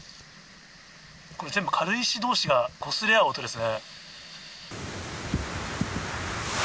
これ全部、軽石どうしがこすれ合う音ですね。